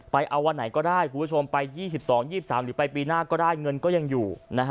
ไปเอาวันไหนก็ได้คุณผู้ชมไป๒๒๒๓หรือไปปีหน้าก็ได้เงินก็ยังอยู่